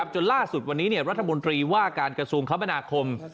จนล่าสุดวันนี้รัฐมนตรีว่าการกระทรวงคมนาคม